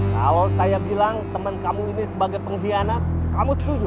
kalau saya bilang teman kamu ini sebagai pengkhianat kamu setuju